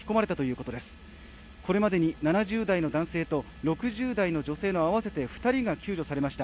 これまでに７０代の男性と６０代の女性の合わせて２人が救助されました。